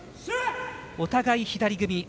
お互い左組み。